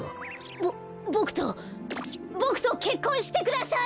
ボボクとボクとけっこんしてください！